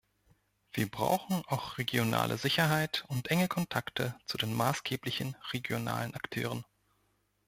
Wir brauchen auch regionale Sicherheit und enge Kontakte zu den maßgeblichen regionalen Akteuren.